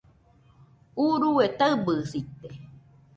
Urue taɨbɨsite